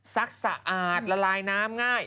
สะอาดละลายน้ำง่าย